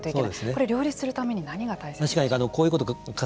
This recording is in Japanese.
これ両立するために何が必要でしょうか。